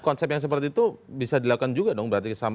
konsep yang seperti itu bisa dilakukan juga dong berarti